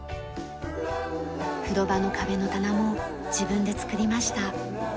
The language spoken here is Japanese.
風呂場の壁の棚も自分で作りました。